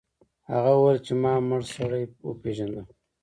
هغه وویل چې ما مړ سړی وپیژنده.